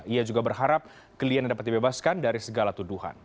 ia juga berharap kliennya dapat dibebaskan dari segala tuduhan